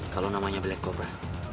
kalau namanya black cobra